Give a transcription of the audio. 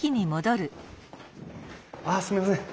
あすみません。